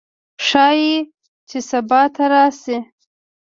ښايي چې سبا ته راشي